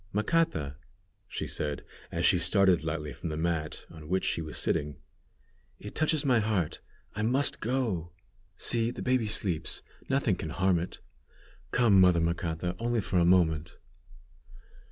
"Macata," she said, as she started lightly from the mat on which she was sitting, "it touches my heart; I must go! See, the baby sleeps. Nothing can harm it. Come, mother Macata, only for a moment!"